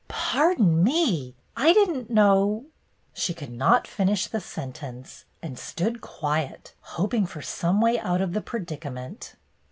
" Pardon me, I did >n't^know —" She could not finish the sentence, and stood quiet, hoping for some way out pf the predica ment.